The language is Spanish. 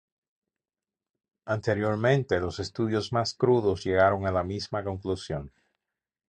Anteriormente, los estudios más crudos llegaron a la misma conclusión.